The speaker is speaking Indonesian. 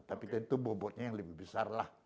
tapi tentu bobotnya yang lebih besar lah